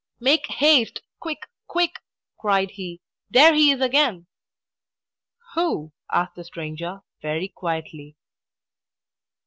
"Make haste. Quick, quick!" cried he. "There he is again!" "Who?" asked the stranger, very quietly.